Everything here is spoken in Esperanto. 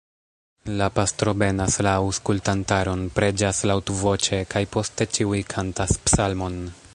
La pastro benas la aŭskultantaron, preĝas laŭtvoĉe, kaj poste ĉiuj kantas psalmon.